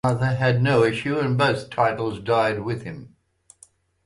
Arthur had no issue and both titles died with him.